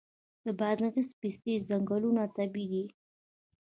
د بادغیس پستې ځنګلونه طبیعي دي؟